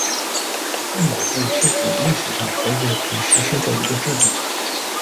汉堡制是指历史上德国曾实施的一个制度。